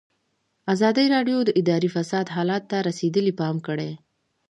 ازادي راډیو د اداري فساد حالت ته رسېدلي پام کړی.